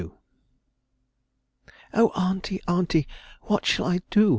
"Oh, auntie, auntie, what shall I do?